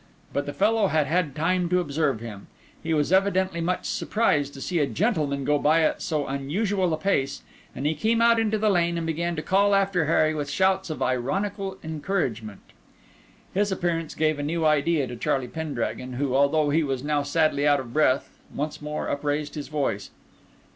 But the fellow had had time to observe him; he was evidently much surprised to see a gentleman go by at so unusual a pace; and he came out into the lane and began to call after Harry with shouts of ironical encouragement. His appearance gave a new idea to Charlie Pendragon, who, although he was now sadly out of breath, once more upraised his voice.